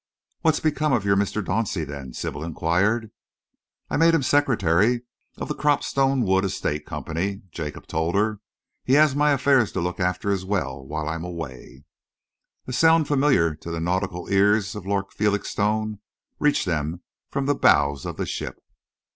"What's become of your Mr. Dauncey, then?" Sybil enquired. "I have made him secretary of the Cropstone Wood Estates Company," Jacob told her. "He has my affairs to look after as well while I am away." A sound familiar to the nautical ears of Lord Felixstowe reached them from the bows of the ship.